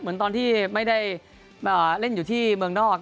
เหมือนตอนที่ไม่ได้เล่นอยู่ที่เมืองนอก